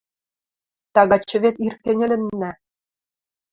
Тагачы вет ир кӹньӹлӹннӓ...